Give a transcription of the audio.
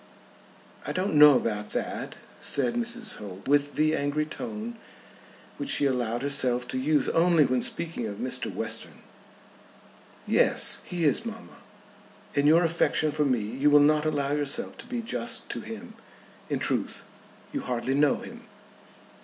"I don't know about that," said Mrs. Holt, with the angry tone which she allowed herself to use only when speaking of Mr. Western. "Yes; he is, mamma. In your affection for me you will not allow yourself to be just to him. In truth you hardly know him."